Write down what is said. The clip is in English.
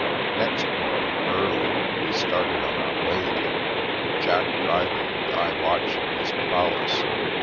Next morning early we started on our way ag^in, Jack driving, and I watching his prowess.